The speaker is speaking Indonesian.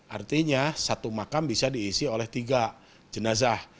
artinya satu makam bisa diisi oleh tiga jenazah